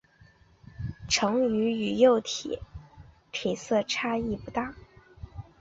成鱼与幼鱼体色差异不大。